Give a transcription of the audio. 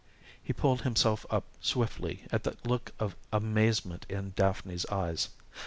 He pulled himself up swiftly at the look of amazement in Daphne's eyes.